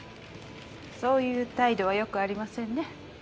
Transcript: そういう態度は良くありませんね。